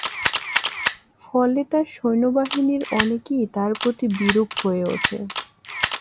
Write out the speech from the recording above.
ফলে তাঁর সৈন্যবাহিনীর অনেকেই তাঁর প্রতি বিরূপ হয়ে ওঠে।